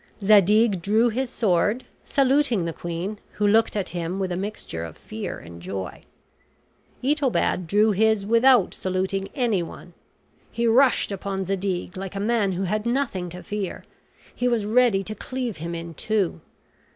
Zadig drew his sword, saluting the queen, who looked at him with a mixture of fear and joy. Itobad drew his without saluting anyone. He rushed upon Zadig, like a man who had nothing to fear; he was ready to cleave him in two.